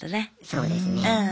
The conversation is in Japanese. そうですね。